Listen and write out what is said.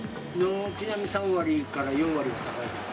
軒並み３割から４割は高いです。